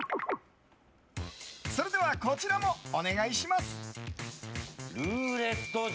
それではこちらもお願いします。